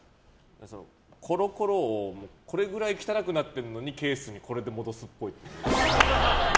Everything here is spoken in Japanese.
コロコロをこれぐらい汚くなってるのにケースにこれで戻すっぽい。